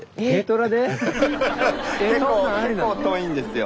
結構遠いんですよ。